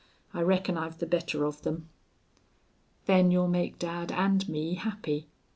I reckon I've the better of them." "Then you'll make dad and me happy.